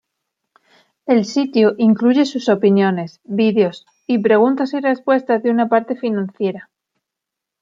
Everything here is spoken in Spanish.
El sitio incluye sus opiniones, videos, y preguntas y respuestas de una parte financiera.